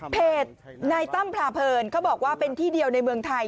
เพจนายตั้มพลาเพลินเขาบอกว่าเป็นที่เดียวในเมืองไทย